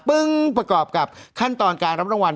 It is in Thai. ประกอบกับขั้นตอนการรับรางวัล